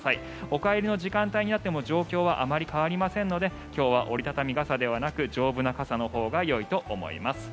お帰りの時間帯になっても状況はあまり変わりませんので今日は折り畳み傘ではなく丈夫な傘のほうがいいと思います。